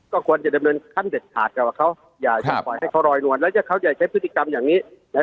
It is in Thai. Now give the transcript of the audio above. ก็ควรจะดำเนินขั้นเด็ดขาดกับเขาอย่าให้เขารอยนวลและเขาจะใช้พฤติกรรมอย่างนี้